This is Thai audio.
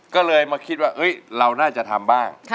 ก็เลยมาคิดว่าเราน่าจะทำบ้าง